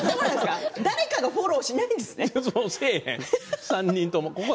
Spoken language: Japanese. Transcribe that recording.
誰もフォローしないんですね。